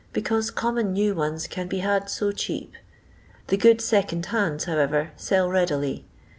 " because common new ones can be had so cheap." The " good second hands," however, sell readily.